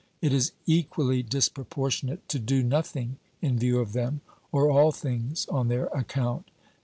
It is equally disproportionate to do nothing in view of them, or all things on their account.